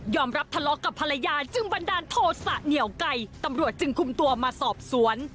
รับทะเลาะกับภรรยาจึงบันดาลโทษะเหนียวไก่ตำรวจจึงคุมตัวมาสอบสวน